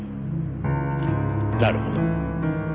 なるほど。